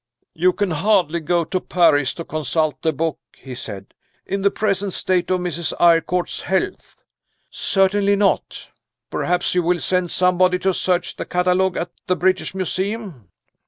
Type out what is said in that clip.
"You can hardly go to Paris to consult the book," he said, "in the present state of Mrs. Eyrecourt's health?" "Certainly not!" "Perhaps you will send somebody to search the catalogue at the British Museum?"